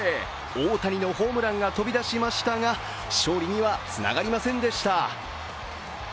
大谷のホームランが飛び出しましたが勝利にはつながりませんでした。